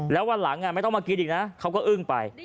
แล้ววันหลังไม่ต้องมากินอีกนะเขาก็อึ้งไป